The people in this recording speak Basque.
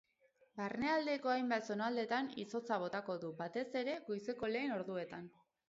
Barnealdeko hainbat zonaldetan izotza botako du, batez ere goizeko lehen orduetan.